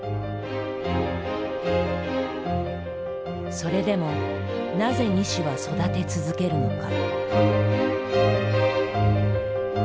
それでもなぜ西は育て続けるのか。